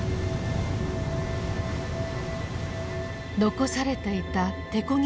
残されていた手こぎ